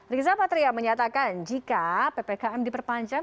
riza patria menyatakan jika ppkm diperpanjang